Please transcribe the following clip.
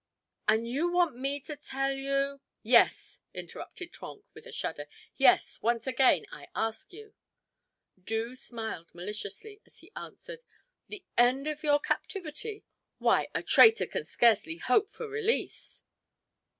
"And you want me to tell you " "Yes," interrupted Trenck, with a shudder; "yes, once again I ask you." Doo smiled maliciously as he answered: "The end of your captivity? Why, a traitor can scarcely hope for release!"